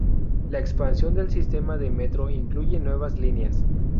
La expansión del sistema de metro incluye nuevas líneas.